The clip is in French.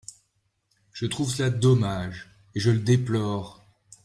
Je trouve cela dommage et je le déplore.